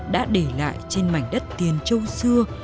đã để lại trên mảnh đất tiền châu xưa